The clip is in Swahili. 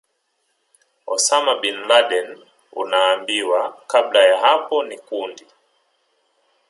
Osama Bin Laden Unaambiwa kabla ya hapo ni kundi